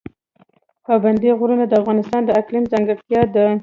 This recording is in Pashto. پابندی غرونه د افغانستان د اقلیم ځانګړتیا ده.